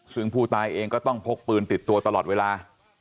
ซึ่งผู้ตายเองก็ต้องพกปืนติดตัวตลอดเวลา